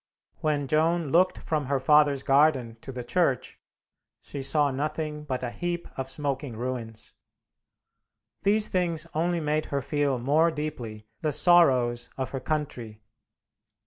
When Joan looked from her father's garden to the church, she saw nothing but a heap of smoking ruins. These things only made her feel more deeply the sorrows of her country.